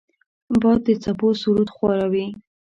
باد د څپو سرود خواره وي